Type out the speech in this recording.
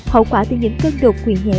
hậu quả từ những cơn đột quỵ nhẹ